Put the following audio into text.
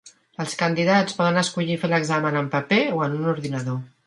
Els candidats poden escollir fer l'examen en paper o en un ordinador.